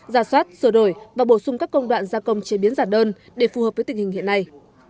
giả soát sửa đổi và bổ sung các công đoạn gia công chế biến giả đơn để phù hợp với tình hình hiện nay